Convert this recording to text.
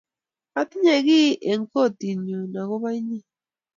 Atinye kiy eng' kotit nyu akopo inye